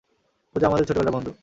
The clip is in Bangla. পূজা আমাদের ছোটবেলার বন্ধু।